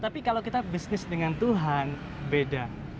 tapi kalau kita bisnis dengan tuhan beda